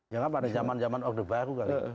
jangan pada zaman zaman orde baru kali